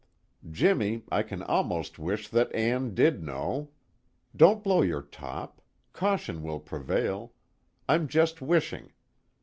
"Jimmy, I can almost wish that Ann did know. Don't blow your top caution will prevail. I'm just wishing.